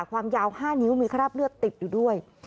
ความยาว๕นิ้วมีคราบเลือดติดอยู่ด้วย